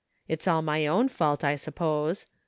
It's all my own fault, I suppose.